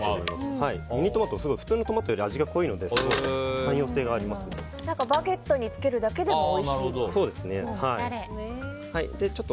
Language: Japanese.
ミニトマト普通のトマトよりも味が濃いのでバゲットにつけるだけでもおいしいと。